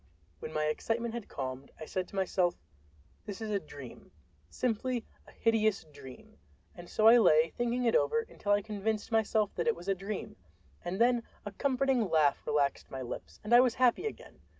When my excitement had calmed, I said to myself, "This is a dream—simply a hideous dream." And so I lay thinking it over until I convinced myself that it was a dream, and then a comforting laugh relaxed my lips and I was happy again.